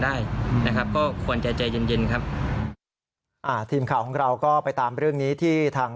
ได้นะครับก็ควรจะใจใจเย็นเย็นครับอ่าทีมข่าวของเราก็ไปตามเรื่องนี้ที่ทาง